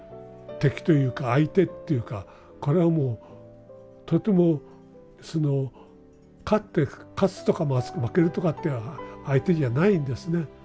敵というか相手っていうかこれはもうとてもその勝つとか負けるとかって相手じゃないんですね。